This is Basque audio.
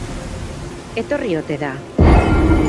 Etorri ote da?